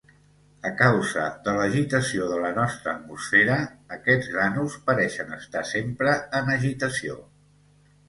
A causa de l'agitació de la nostra atmosfera, aquests grànuls pareixen estar sempre en agitació.